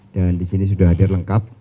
dan disini sudah hadir lengkap